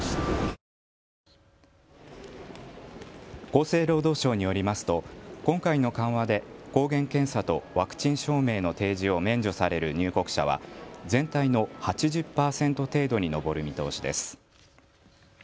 厚生労働省によりますと今回の緩和で抗原検査とワクチン証明の提示を免除される入国者は全体の８０％程度に上る見通しです。